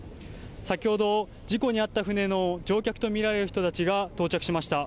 先ほど、事故に遭った船の乗客と見られる人たちが到着しました。